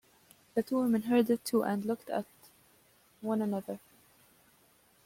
The two women heard it too, and looked at one another.